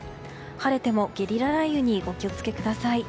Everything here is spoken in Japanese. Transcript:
晴れてもゲリラ雷雨にお気を付けください。